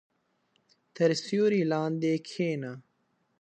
• تر سیوري لاندې کښېنه.